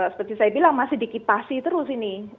seperti saya bilang masih dikipasi terus ini